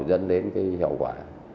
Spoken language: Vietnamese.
dẫn đến cái hậu quả